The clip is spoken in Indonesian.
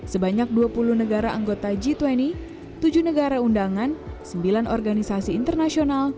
sebanyak dua puluh negara anggota g dua puluh tujuh negara undangan sembilan organisasi internasional